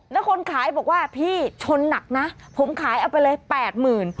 แล้วคนขายบอกว่าพี่ชนหนักนะผมขายเอาไปเลยแปดหมื่น